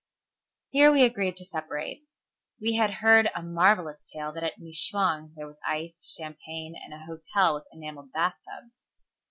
Here we agreed to separate. We had heard a marvellous tale that at New Chwang there was ice, champagne, and a hotel with enamelled bath tubs.